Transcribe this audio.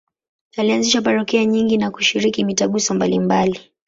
Alianzisha parokia nyingi na kushiriki mitaguso mbalimbali.